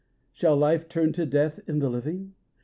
Shall life turn to death in the living